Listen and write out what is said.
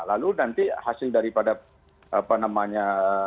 lalu nanti hasil daripada apa namanya